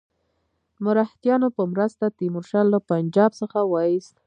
مرهټیانو په مرسته تیمور شاه له پنجاب څخه وایست.